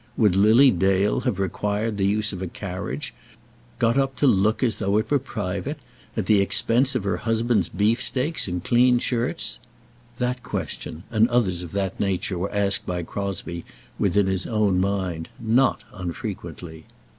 Would Lily Dale have required the use of a carriage, got up to look as though it were private, at the expense of her husband's beefsteaks and clean shirts? That question and others of that nature were asked by Crosbie within his own mind, not unfrequently.